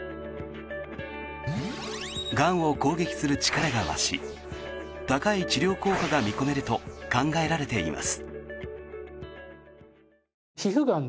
がんを攻撃する力が増し高い治療効果が見込めると考えられています。